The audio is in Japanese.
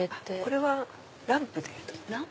これはランプです。